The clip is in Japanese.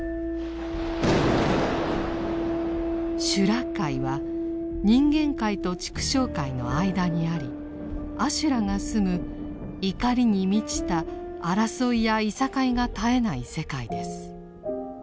修羅界は人間界と畜生界の間にあり阿修羅が住むいかりに満ちた争いやいさかいが絶えない世界です。